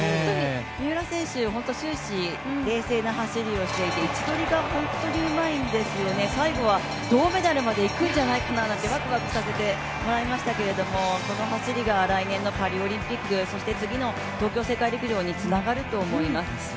三浦選手、終始冷静な走りをしていて位置取りが本当にうまいんですよね、最後は銅メダルまで行くんじゃないかなんてわくわくさせてもらいましたけれども、この走りが来年のパリオリンピックそして次の東京世界陸上につながると思います。